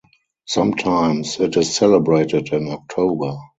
Sometimes it is celebrated in October.